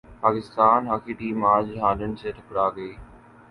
Pakistan hockey team اج Holland سے ٹکرا ئے گی